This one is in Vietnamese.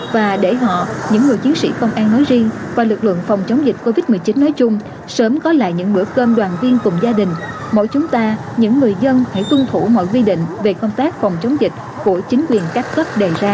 và để họ những người chiến sĩ công an nói riêng và lực lượng phòng chống dịch covid một mươi chín nói chung sớm có lại những bữa cơm đoàn viên cùng gia đình mỗi chúng ta những người dân hãy tuân thủ mọi quy định về công tác phòng chống dịch của chính quyền các cấp đề ra